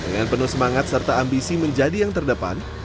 dengan penuh semangat serta ambisi menjadi yang terdepan